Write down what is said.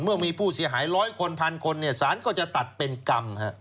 เมื่อมีผู้เสียหาย๑๐๐คนพันคนสารก็จะตัดเป็นกรรม